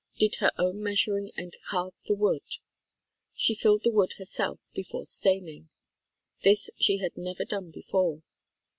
Did her own meas uring and carved the wood. She filled the wood her self before staining. This she had never done before.